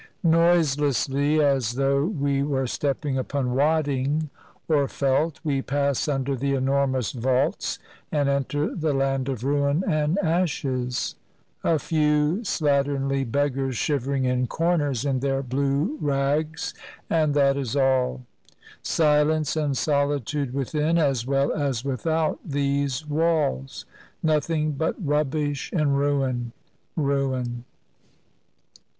Noiselessly, as though we were stepping upon wadding or felt, we pass under the enormous vaults and enter the land of ruin and ashes. A few slatternly beggars shivering in comers in their blue rags, and that is all. Silence and solitude within as well as without these walls. Nothing but rubbish and ruin, ruin.